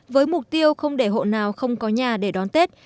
với mục tiêu không để hộ nào không có nhà để đón tết